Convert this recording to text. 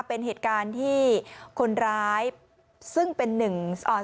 เป็นเหตุการณ์ที่คนร้ายซึ่งเป็นหนึ่งอ่า